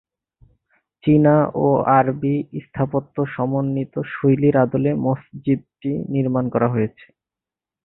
চীনা ও আরবি স্থাপত্য সমন্বিত শৈলীর আদলে মসজিদটি নির্মাণ করা হয়েছে।